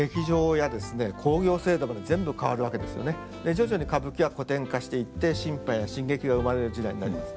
徐々に歌舞伎は古典化していって新派や新劇が生まれる時代になります。